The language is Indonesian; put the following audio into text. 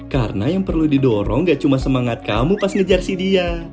karena yang perlu didorong nggak cuma semangat kamu pas ngejar si dia